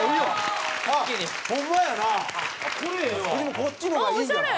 こっちの方がいいんじゃない？